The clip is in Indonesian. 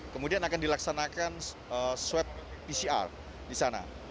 kemudian akan dilaksanakan swab pcr di sana